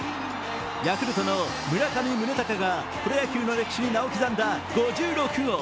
ヤクルトの村上宗隆がプロ野球の歴史に名を刻んだ５６号。